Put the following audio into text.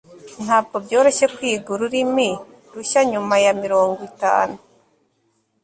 Ntabwo byoroshye kwiga ururimi rushya nyuma ya mirongo itanu